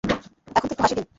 এখন তো একটু হাসি দেন।